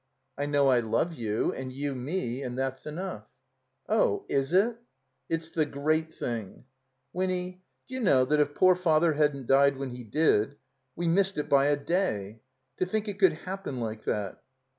"I know I love you and you me, and that's enough." "Oh— w it?" It's the great thing." 'Winny, d'you know, that if poor Father hadn't died when he did — ^we missed it by a day. To think it could happen like that!"